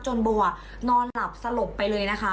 บัวนอนหลับสลบไปเลยนะคะ